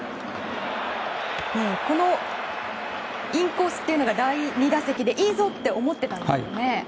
このインコースというのが第２打席でいいぞ！と思っていたんですよね。